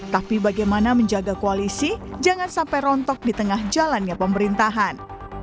tapi bagaimana menjaga koalisi jangan sampai rontok di tengah jalannya pemerintahan